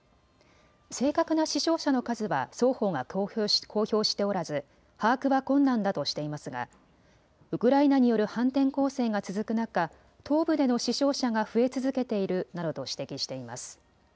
正確な死傷者の数は双方が公表しておらず把握は困難だとしていますがウクライナによる反転攻勢が続く中、東部での死傷者が増え続けているなどと指摘しています。